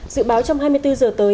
dự báo trong hai mươi bốn h tới